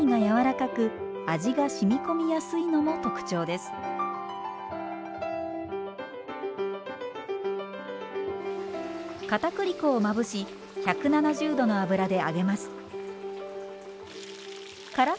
かたくり粉をまぶし１７０℃の油で揚げます。